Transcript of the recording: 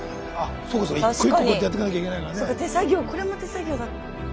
そっか手作業これも手作業だ。